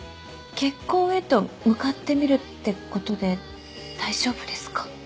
結婚へと向かってみるってことで大丈夫ですか？